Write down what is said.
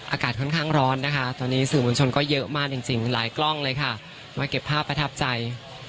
อากาศค่อนข้างร้อนนะคะตอนนี้สื่อมวลชนก็เยอะมากจริงหลายกล้องเลยค่ะมาเก็บภาพประทับใจ